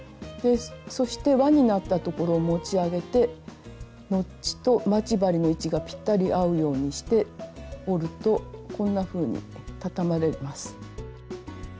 そしてわになった所を持ち上げてノッチと待ち針の位置がぴったり合うようにして折るとこんなふうにたたまれます。